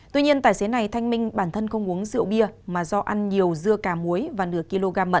tuy nhiên tài xế này thanh minh bản thân không uống rượu bia mà do ăn nhiều dưa cà muối và nửa kg mấ